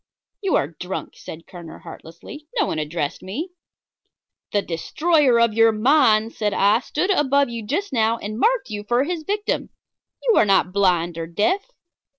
"You are drunk," said Kerner, heartlessly. "No one addressed me." "The destroyer of your mind," said I, "stood above you just now and marked you for his victim. You are not blind or deaf."